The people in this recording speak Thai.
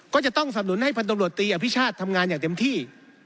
ก็จะต้องสำนุนให้พันธบรวจตีอภิชาติทำงานอย่างเต็มที่